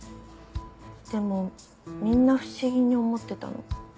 でもみんな不思議に思ってたの。